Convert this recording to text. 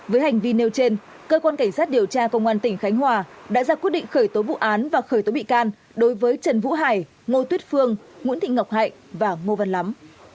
với hành vi nêu trên cơ quan cảnh sát điều tra công an tỉnh khánh hòa đã ra quyết định khởi tố vụ án và khởi tố bị can đối với trần vũ hải ngô tuyết phương nguyễn thị ngọc hạnh và ngô văn lắm